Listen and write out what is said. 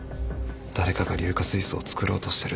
誰かが硫化水素を作ろうとしてるって。